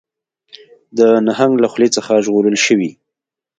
د نهنګ له خولې څخه ژغورل شوي